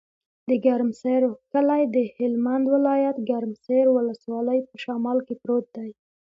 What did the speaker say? د ګرمسر کلی د هلمند ولایت، ګرمسر ولسوالي په شمال کې پروت دی.